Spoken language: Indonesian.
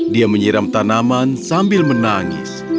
dia menyiram tanaman sambil menangis